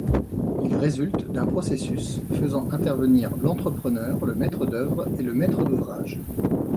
Il résulte d'un processus faisant intervenir l'entrepreneur, le maître d'œuvre et le maître d'ouvrage.